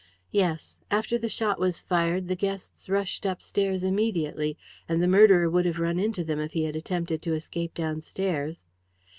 "Yes. After the shot was fired the guests rushed upstairs immediately, and the murderer would have run into them if he had attempted to escape downstairs."